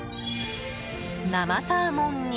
生サーモンに。